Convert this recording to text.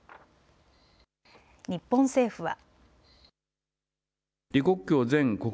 日本政府は。